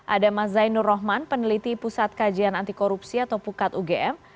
ada mas zainul rohman peneliti pusat kajian antikorupsi atau pukat ugm